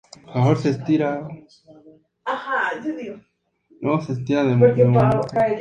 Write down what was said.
Está construida sobre una planta rectangular con tres naves y cuatro tramos.